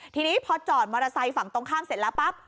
ทีนี้พอจอดมอเตอร์ไซค์ฝั่งตรงข้ามเสร็จแล้วปั๊บ